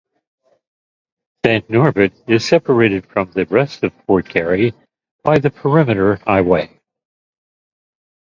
Saint Norbert is separated from the rest of Fort Garry by the Perimeter Highway.